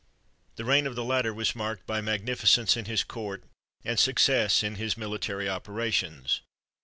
The reign of the latter was marked by magnificence in his court and success in his military operations.